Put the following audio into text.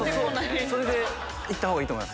それで行ったほうがいい。